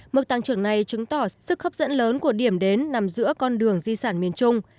mức tăng trưởng này chứng tỏ sức hấp dẫn lớn của điểm đến nằm giữa con đường di sản miền trung